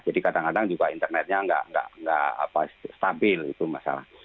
jadi kadang kadang juga internetnya tidak stabil itu masalah